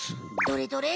どれどれ？